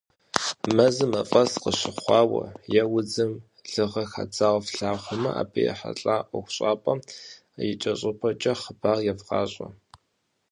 Мэзым мафӀэс къыщыхъуауэ е удзым лыгъэ хадзауэ флъагъумэ, абы ехьэлӏа ӀуэхущӀапӀэм икӏэщӏыпӏэкӏэ хъыбар евгъащӀэ!